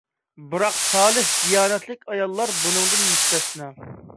بىراق سالىھ، دىيانەتلىك ئاياللار بۇنىڭدىن مۇستەسنا.